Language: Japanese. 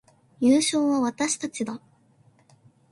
優勝は私たちだ